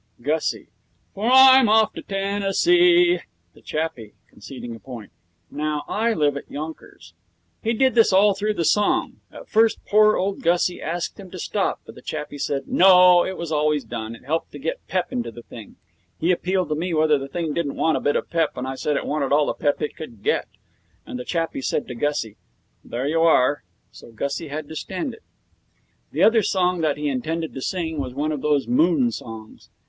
GUSSIE: 'For I'm off to Tennessee.' THE CHAPPIE (conceding a point): 'Now, I live at Yonkers.' He did this all through the song. At first poor old Gussie asked him to stop, but the chappie said, No, it was always done. It helped to get pep into the thing. He appealed to me whether the thing didn't want a bit of pep, and I said it wanted all the pep it could get. And the chappie said to Gussie, 'There you are!' So Gussie had to stand it. The other song that he intended to sing was one of those moon songs.